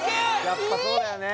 やっぱそうだよね